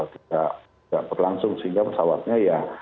tidak berlangsung sehingga pesawatnya ya